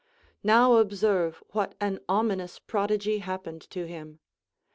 Now observe what an ominous prodigy happened to him.